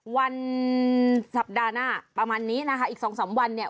วันสัปดาห์หน้าประมาณนี้นะคะอีกสองสามวันเนี่ย